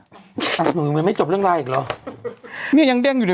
อ่าแบบงึงไม่จบเรื่องลายอีกเหรอ